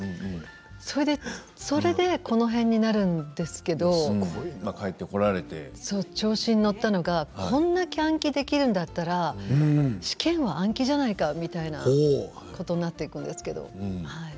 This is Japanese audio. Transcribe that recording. それでこの辺なるんですけど調子に乗ったのがこれだけ暗記できるんだったら試験も暗記じゃないかみたいなことになっていくんですけど。